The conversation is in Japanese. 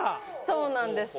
そうなんです。